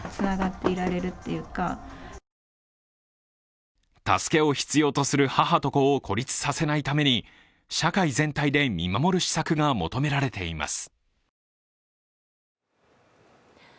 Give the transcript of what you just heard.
利用者は助けを必要とする母と子を孤立させないために社会全体で見守る施策が求められています。